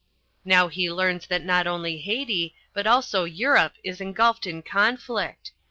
Now he learns that not only Haiti, but also Europe is engulfed in conflict.